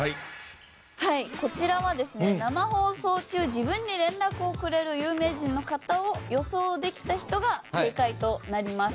こちらは、生放送中自分に連絡をくれる有名人の方を予想できた方を正解となります。